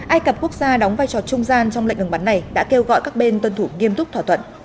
ai cập quốc gia đóng vai trò trung gian trong lệnh ngừng bắn này đã kêu gọi các bên tuân thủ nghiêm túc thỏa thuận